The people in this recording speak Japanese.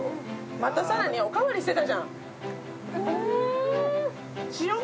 また更におかわりしてたじゃん。